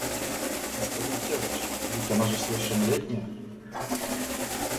Господин Кербеш, но ведь она же совершеннолетняя